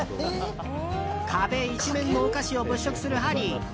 壁一面のお菓子を物色するハリー。